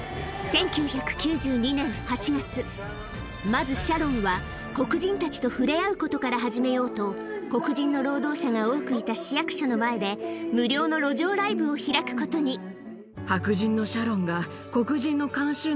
まずシャロンは黒人たちと触れ合うことから始めようと黒人の労働者が多くいた市役所の前でを開くことにと。